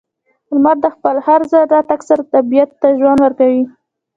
•لمر د خپل هر ځل راتګ سره طبیعت ته ژوند ورکوي.